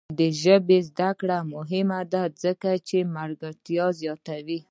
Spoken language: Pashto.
د انګلیسي ژبې زده کړه مهمه ده ځکه چې ملګرتیا زیاتوي.